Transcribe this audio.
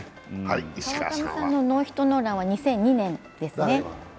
川上さんのノーヒットノーランは２００２年ですね。